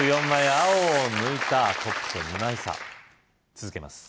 青を抜いたトップと２枚差続けます